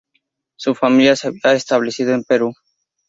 Su familia se había establecido en Perú.